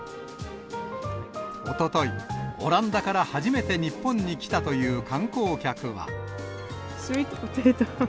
おととい、オランダから初めて日本に来たという観光客は。